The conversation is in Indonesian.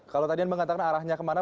kalau tadi anda mengatakan arahnya kemana